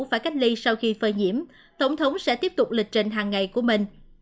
phải cách ly sau khi phơi nhiễm tổng thống sẽ tiếp tục lịch trình hàng ngày của mình